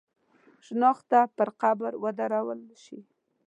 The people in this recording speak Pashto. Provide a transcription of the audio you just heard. شنخته پر قبر ودرول شي.